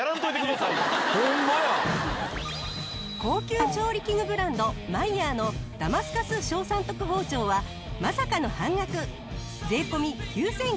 高級調理器具ブランドマイヤーのダマスカス小三徳包丁はまさかの半額税込９９００円！